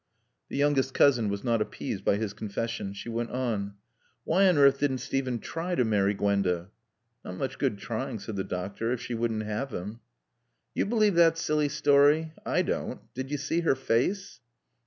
The youngest cousin was not appeased by his confession. She went on. "Why on earth didn't Steven try to marry Gwenda?" "Not much good trying," said the doctor, "if she wouldn't have him." "You believe that silly story? I don't. Did you see her face?"